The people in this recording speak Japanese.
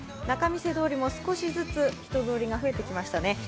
仲見世通りも少しずつ人通りが増えてきましたね。